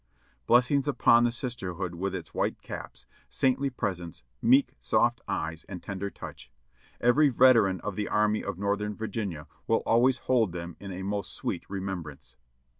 Blessings upon the sisterhood with its white caps, saintly pres ence, meek, soft eyes and tender touch; every veteran of the Army of Northern Virginia will always hold them in a most sweet remembrance.